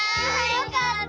よかった！